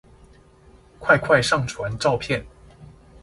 快快上傳照片